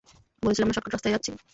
বলেছিলাম না, শর্টকার্ট রাস্তায় যাচ্ছি?